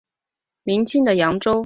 明清的扬州。